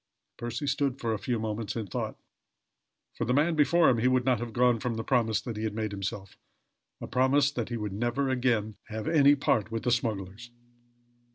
Percy stood for a few moments in thought. For the man before him he would not have gone from the promise he had made himself a promise that he would never again have any part with the smugglers.